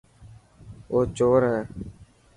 او چور هي.